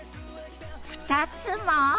２つも？